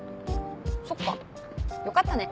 そっかよかったね。